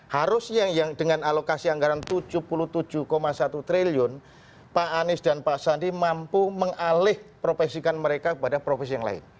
harusnya yang dengan alokasi anggaran rp tujuh puluh tujuh satu triliun pak anies dan pak sandi mampu mengalih profesikan mereka kepada profesi yang lain